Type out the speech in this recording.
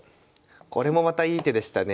これもまたいい手でしたね。